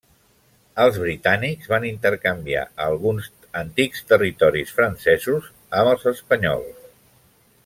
Els britànics van intercanviar alguns antics territoris francesos amb els espanyols.